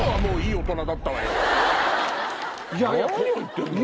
何を言ってるのよ！